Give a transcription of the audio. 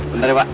bentar ya pak